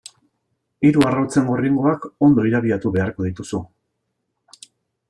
Hiru arrautzen gorringoak ondo irabiatu beharko dituzu.